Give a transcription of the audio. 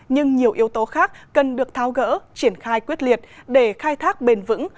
nhưng nhiều yếu tố khác cần được tháo gỡ triển khai quyết liệt để khai thác bền vững